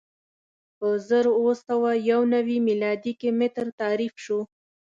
په زر اووه سوه یو نوې میلادي کې متر تعریف شو.